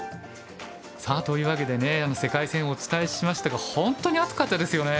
さあというわけでね世界戦お伝えしましたが本当に熱かったですよね。